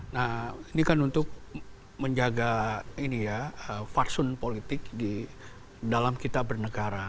nah ini kan untuk menjaga faksun politik di dalam kita bernegara